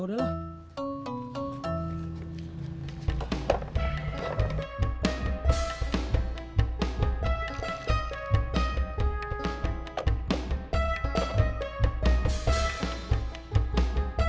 udah sini aja